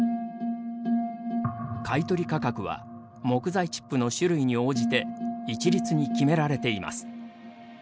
買い取り価格は木材チップの種類に応じて一律に決められています。